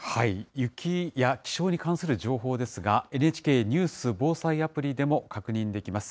雪や気象に関する情報ですが、ＮＨＫニュース・防災アプリでも確認できます。